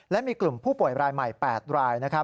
และมีกลุ่มผู้ป่วยรายใหม่๘ราย